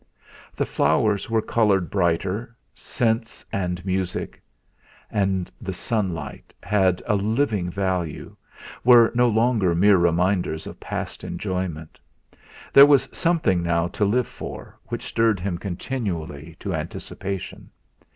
The flowers were coloured brighter, scents and music and the sunlight had a living value were no longer mere reminders of past enjoyment. There was something now to live for which stirred him continually to anticipation.